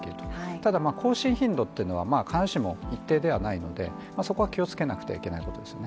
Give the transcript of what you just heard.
ただ更新頻度っていうのが必ずしも一定ではないのでそこは気をつけなくてはいけないことですね。